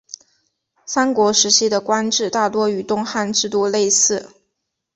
三国时期的官制大多与东汉制度类似。